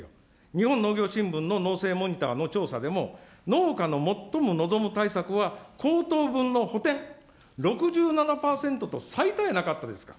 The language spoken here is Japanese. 日本農業新聞の農政モニターの調査でも、農家の最も望む対策は、高騰分の補填６７％と最多やなかったじゃないですか。